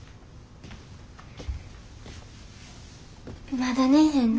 まだ寝えへんの？